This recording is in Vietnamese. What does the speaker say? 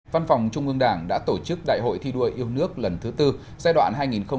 văn phòng trung ương đảng đã tổ chức đại hội thi đua yêu nước lần thứ tư giai đoạn hai nghìn hai mươi hai nghìn hai mươi năm